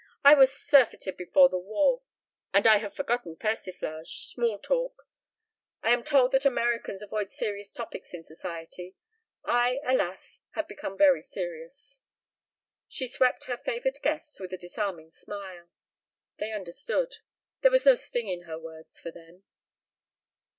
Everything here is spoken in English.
I was surfeited before the war. And I have forgotten persiflage, small talk. I am told that Americans avoid serious topics in Society. I, alas, have become very serious." She swept her favored guests with a disarming smile. They understood. There was no sting in her words for them.